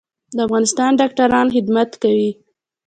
د افغانستان ډاکټران خدمت کوي